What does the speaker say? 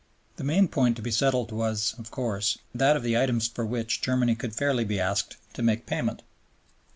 The main point to be settled was, of course, that of the items for which Germany could fairly be asked to make payment.